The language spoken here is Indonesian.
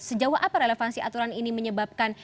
sejauh apa relevansi aturan ini menyebabkan